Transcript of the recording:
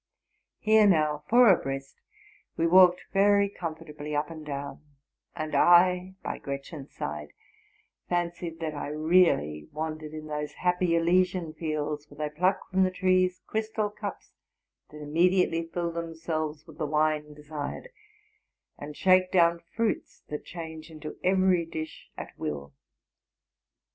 Here now, four abreast, we walked very comfortably up and down; and I, by Gretchen's side, fancied that I really wandered in those happy Elysian fields where they pluei from the trees crystal cups that immediately fill themselves with the wine desired, and shake down fruits that change into every dish at will.